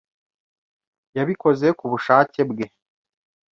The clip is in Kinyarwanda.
Yabikoze ku bushake bwe.